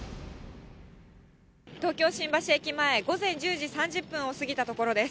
東京・新橋駅前、午前１０時３０分を過ぎたところです。